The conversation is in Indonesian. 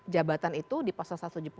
jabatan itu di pasal satu ratus tujuh puluh